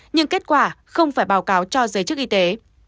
nhưng kết quả không phải báo cáo cho giới chức y tế